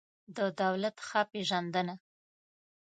د دولت ښه پېژندنه